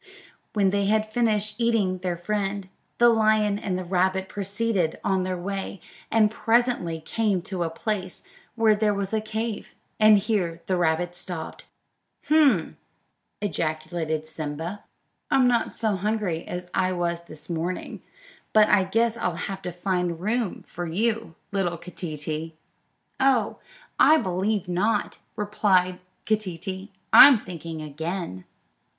When they had finished eating their friend, the lion and the rabbit proceeded on their way, and presently came to a place where there was a cave, and here the rabbit stopped. "H'm!" ejaculated Simba; "I'm not so hungry as I was this morning, but I guess I'll have to find room for you, little Keeteetee." "Oh, I believe not," replied Keeteetee; "I'm thinking again."